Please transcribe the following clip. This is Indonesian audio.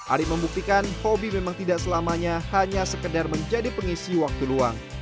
ari membuktikan hobi memang tidak selamanya hanya sekedar menjadi pengisi waktu luang